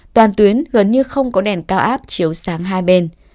toàn tuyến gần như không có đèn cao áp chiếu sáng hai bên